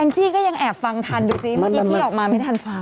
แอมจี้ก็ยังแอบฟังทันดูสิเมื่อกี้ชิคกี้พี่ออกมาไม่ได้ทันฟัง